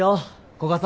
古賀さんも。